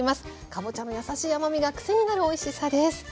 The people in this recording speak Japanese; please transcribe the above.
かぼちゃの優しい甘みが癖になるおいしさです。